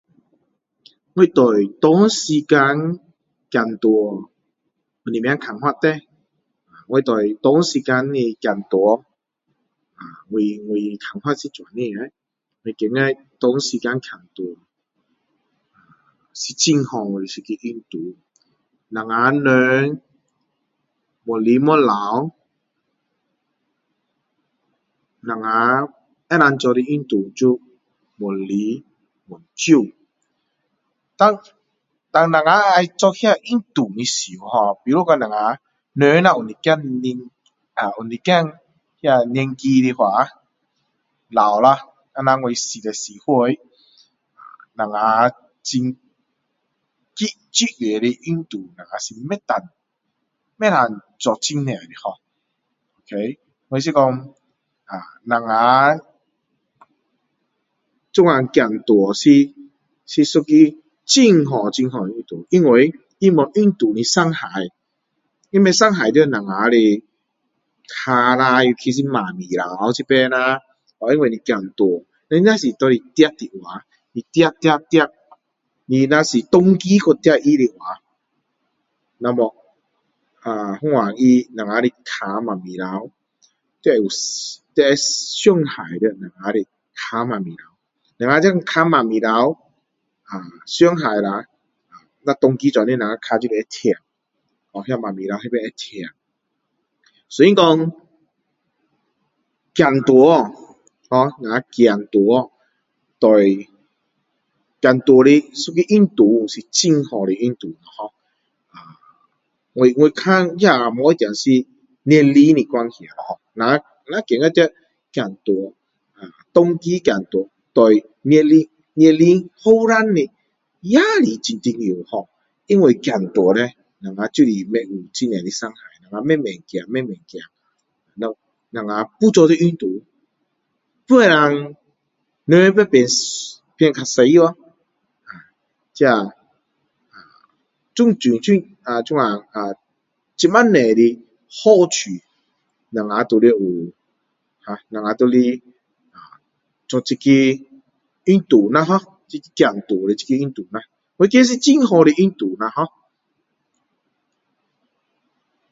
我对这长时间的走路，什么看法呢？我对长时间的走路，我的看法是这样啊，长时间的走路，是很好的一个运动。我们人越来越老，我们能够做的运动就越来越少。但，但我们要做那运动的时候哦，比如人如有一点，年，有一点那年纪的话，老啦像我四十四岁，我们很激，激烈的运动我们是不能不能做很多的[har]。ok, 我是说啊我们这样走路是，是一个很好很好的运动。因为它没有运动的伤害。它不伤害我们的脚啦，尤其是膝盖这边啦。因为是走路。如果是跑的话，你跑，跑，跑，你若是长期去跑的话，那么，那么我们的脚，膝盖，都，都会伤害我们的脚，膝盖。我们的脚，膝盖啊，伤害啦，那长期那样，我们的脚就会痛， 那膝盖就是会痛。所以说走路[har]，只走路对，走路的一个运动是很好的运动[har]。啊我看也不一定是年龄的关系，那觉得这走路啊，长期走路对年龄年轻的也是很重要[har]，因为走路呢我们就不会有很多的伤害啦，我们慢慢走，慢慢走。我们又做了运动，又能 [unintelligible] 变，变较瘦咯，这 [unintelligible] 又[ahh]终结这么多的好处，我们都是有，[har]我们都是做这个运动啦[har],走路的这个运动啦[har],我觉得是很好的运动啦[har]